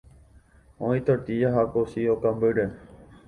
Oĩ tortilla ha cocido kambýre.